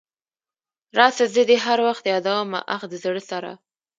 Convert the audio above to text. راسه زه دي هر وخت يادومه اخ د زړه سره .